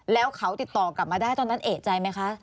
แล้วเขาติดต่อกลับมาได้ตอนนั้นเอกใจไหมคะ